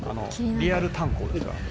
「リアル炭鉱ですから」